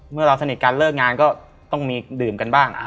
เราสนิทกันเลิกงานก็ต้องมีดื่มกันบ้าง